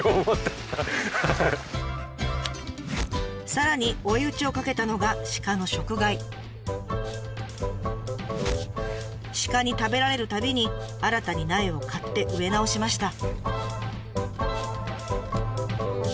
さらに追い打ちをかけたのが鹿に食べられるたびに新たに苗を買って植え直しました。